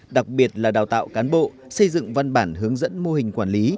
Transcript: đặc biệt là đào tạo cán bộ xây dựng văn bản hướng dẫn mô hình quản lý